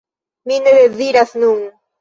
Mi ne deziras nun.